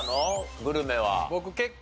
グルメは。